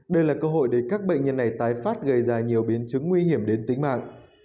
đây là cơ hội để các bệnh nhân này tái phát gây ra nhiều biến chứng nguy hiểm đến tính mạng